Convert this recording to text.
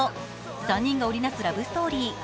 ３人が織り成すラブストーリー。